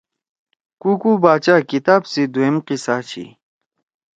کُوکُو باچا کتاب سی دُھوئم قصہ چھی۔